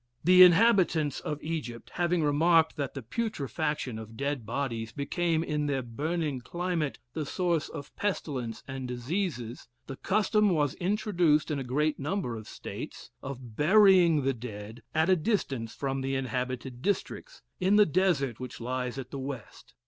"The inhabitants of Egypt having remarked that the putrefaction of dead bodies became in their burning climate the source of pestilence and diseases, the custom was introduced in a great number of States, of burying the dead at a distance from the inhabited districts, in the desert which lies at the West.